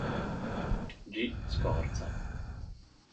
G. Scorza.